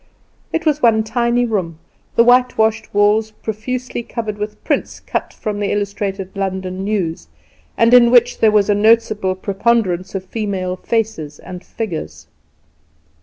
It was one tiny room, the whitewashed walls profusely covered with prints cut from the "Illustrated London News", and in which there was a noticeable preponderance of female faces and figures.